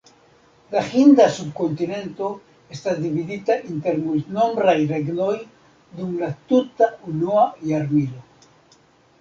La Hinda subkontinento estas dividita inter multnombraj regnoj dum la tuta unua jarmilo.